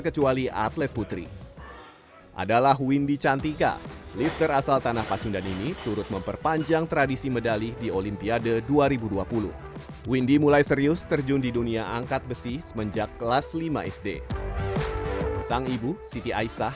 kedua panggung yang lainnya